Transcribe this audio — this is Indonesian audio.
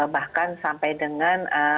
bahkan sampai dengan